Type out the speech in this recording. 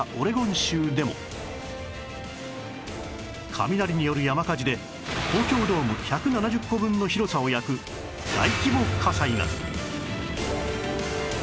雷による山火事で東京ドーム１７０個分の広さを焼く大規模火災が